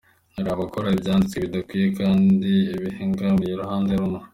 Hari ababona ko ivyanditswe bidakwiye kandi bihengamiye uruhande rumwe.